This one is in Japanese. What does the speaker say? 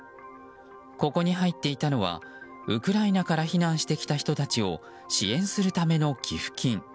ここに入っていたのはウクライナから避難してきた人たちを支援するための寄付金。